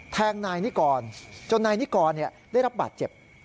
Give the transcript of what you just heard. แทงนายนิกรจนนายนิกรได้รับบาดเจ็บ